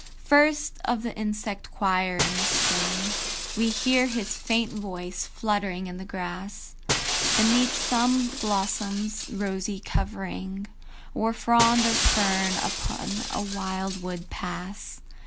I. First of the insect choir, in the spring We hear his faint voice fluttering in the grass, Beneath some blossom's rosy covering Or frond of fern upon a wildwood pass.